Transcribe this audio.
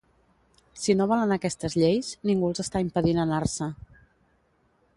Si no volen aquestes lleis, ningú els està impedint anar-se.